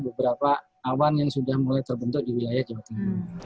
beberapa awan yang sudah mulai terbentuk di wilayah jawa timur